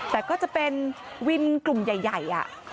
แต่ก็จะเป็นวินกลุ่มใหญ่